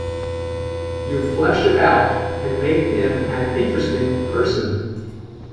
You flesh it out and make them an interesting person.